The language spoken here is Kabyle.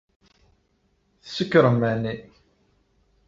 Tsekṛem, ɛni?